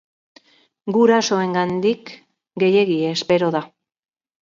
Gurasoengandik gehiegi espero da.